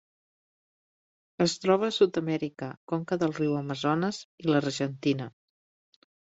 Es troba a Sud-amèrica: conca del riu Amazones i l'Argentina.